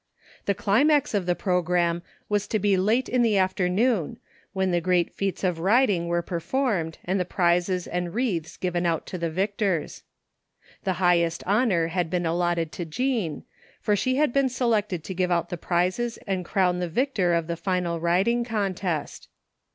The climax of the program was to be late in the afternoon when the great feats of riding were per formed and the prizes and wreaths given out to the victors. The highest honor had been allotted to Jean, for she had been selected to give out the prizes and crown the victor of the final riding contest.